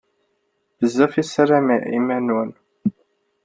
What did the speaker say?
Bezzaf i tessalayem iman-nwen!